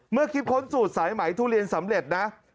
เมื่อคิดค้นสูตรสายไหมทุเรียนสำเร็จนะ